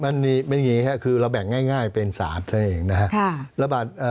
มันมีแบบนี้ค่ะคือเราแบ่งง่ายเป็น๓เองนะครับ